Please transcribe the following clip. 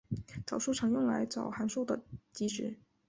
导数常用来找函数的极值。